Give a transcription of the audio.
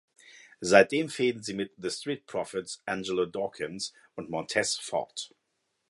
Seitdem fehden sie mit The Street Profits Angelo Dawkins und Montez Ford.